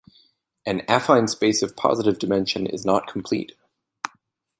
An affine space of positive dimension is not complete.